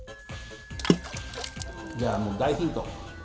じゃあもう大ヒント。